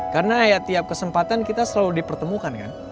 karena ya tiap kesempatan kita selalu dipertemukan kan